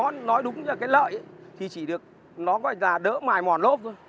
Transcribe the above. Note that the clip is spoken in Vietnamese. nói đúng là cái lợi thì chỉ được nó gọi là đỡ mài mòn lốp thôi